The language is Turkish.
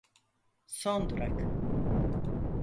Son durak.